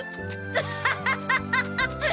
アッハハハハハ！